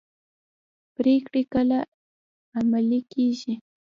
پریکړې کله عملي کیږي؟